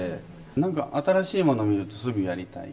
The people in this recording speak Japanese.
なんか新しいもの見ると、すぐやりたい。